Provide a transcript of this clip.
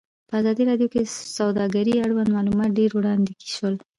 په ازادي راډیو کې د سوداګري اړوند معلومات ډېر وړاندې شوي.